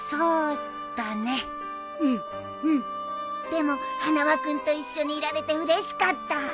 でも花輪君と一緒にいられてうれしかった！